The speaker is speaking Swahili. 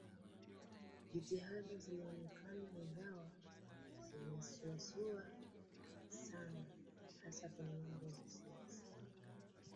Jitihada zinaonekana ingawa zinasuasua sana hasa kwenye mambo ya siasa